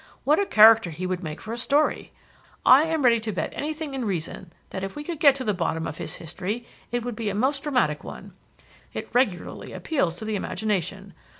What a character he would make for a story! I am ready to bet anything in reason that if we could get to the bottom of his history it would be a most dramatic one. It regularly appeals to the imagination.